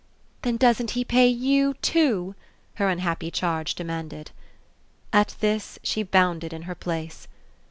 "Then doesn't he pay YOU too?" her unhappy charge demanded. At this she bounded in her place.